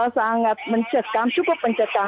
sangat mencetak cukup mencetak